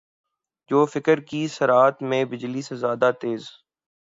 جو فکر کی سرعت میں بجلی سے زیادہ تیز